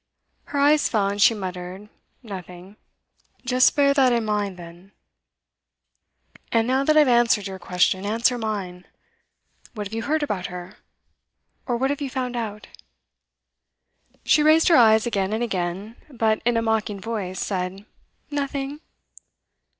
Her eyes fell, and she muttered 'Nothing.' 'Just bear that in mind, then. And now that I've answered your question, answer mine. What have you heard about her? Or what have you found out?' She raised her eyes again and again, but in a mocking voice said, 'Nothing.